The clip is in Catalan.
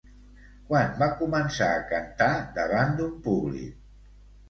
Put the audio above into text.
Quan va començar a cantar davant d'un públic?